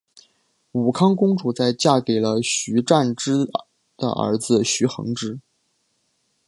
武康公主在嫁给了徐湛之的儿子徐恒之。